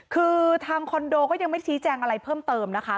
คือทางคอนโดก็ยังไม่ชี้แจงอะไรเพิ่มเติมนะคะ